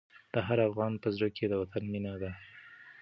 د هر افغان په زړه کې د وطن مینه ده.